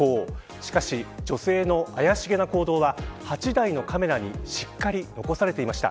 しかし、女性の怪しげな行動は８台のカメラにしっかり残されていました。